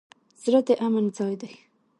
زړه د امن ځای دی.